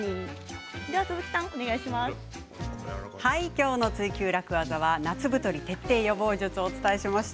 今日の「ツイＱ楽ワザ」は夏太り徹底予防術をお伝えしました。